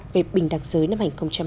về bình đẳng giới năm hai nghìn hai mươi